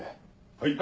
はい。